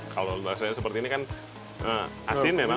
kalau bahasanya seperti ini kan asin memang